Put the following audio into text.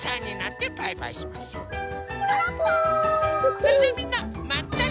それじゃあみんなまたね！